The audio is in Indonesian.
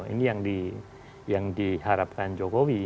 ini yang diharapkan jokowi